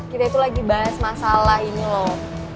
kita itu lagi bahas masalah ini loh